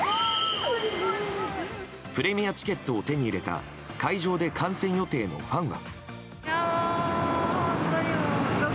プレミアチケットを手に入れた会場で観戦予定のファンは。